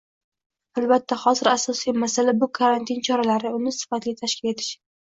Albatta, hozir asosiy masala - bu karantin choralari, uni sifatli tashkil etish